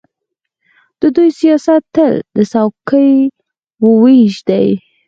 د دوی سیاست تل د څوکۍو وېش دی.